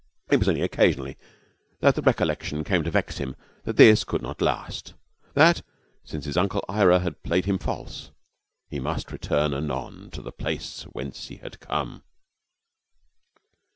It was only occasionally that the recollection came to vex him that this could not last, that since his Uncle Ira had played him false he must return anon to the place whence he had come.